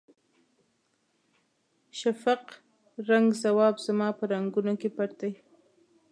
شفق رنګه ځواب زما په رګونو کې پټ دی.